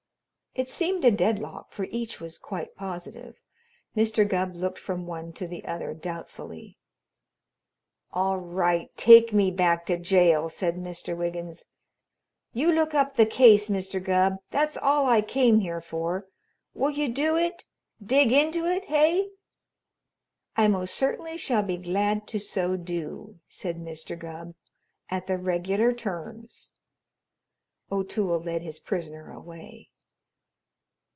It seemed a deadlock, for each was quite positive. Mr. Gubb looked from one to the other doubtfully. "All right, take me back to jail," said Mr. Wiggins. "You look up the case, Mr. Gubb; that's all I came here for. Will you do it? Dig into it, hey?" "I most certainly shall be glad to so do," said Mr. Gubb, "at the regular terms." O'Toole led his prisoner away.